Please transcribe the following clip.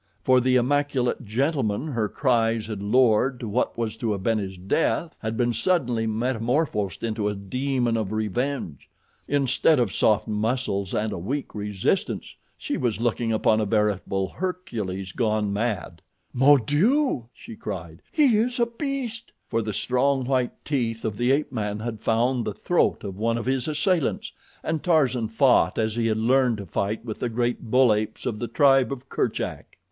For the immaculate gentleman her cries had lured to what was to have been his death had been suddenly metamorphosed into a demon of revenge. Instead of soft muscles and a weak resistance, she was looking upon a veritable Hercules gone mad. "Mon Dieu!" she cried; "he is a beast!" For the strong, white teeth of the ape man had found the throat of one of his assailants, and Tarzan fought as he had learned to fight with the great bull apes of the tribe of Kerchak.